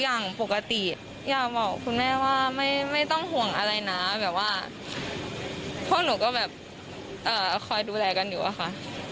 อย่างปกติอยากบอกคุณแม่ว่าไม่ต้องห่วงอะไรนะแบบว่าพวกหนูก็แบบคอยดูแลกันอยู่อะค่ะ